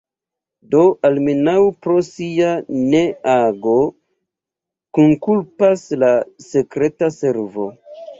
Do, almenaŭ pro sia ne-ago, kunkulpas la sekreta servo.